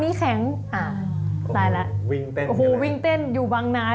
ทิเว่อกับวิ่งเต้นอยู่บ้างนะ